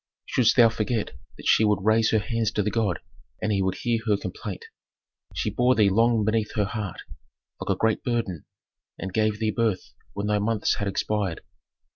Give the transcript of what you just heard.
"Shouldst thou forget that she would raise her hands to the god, and he would hear her complaint. She bore thee long beneath her heart, like a great burden, and gave thee birth when thy months had expired.